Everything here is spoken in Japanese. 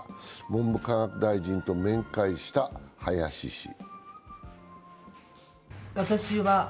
文部科学大臣と面会した林氏。